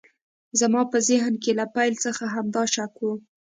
زما په ذهن کې له پیل څخه همدا شک و